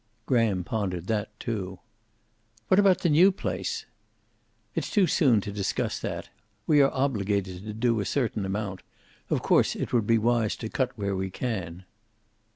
Graham pondered that, too. "What about the new place?" "It's too soon to discuss that. We are obligated to do a certain amount. Of course it would be wise to cut where we can."